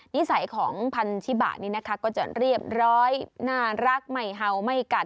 นิสัยของพันธิบะนี้นะคะก็จะเรียบร้อยน่ารักไม่เห่าไม่กัด